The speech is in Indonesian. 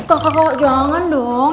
eh kakak jangan dong